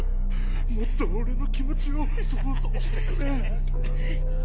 もっと俺の気持ちを想像してくれ。